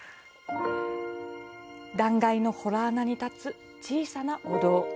断崖の洞穴に建つ小さなお堂。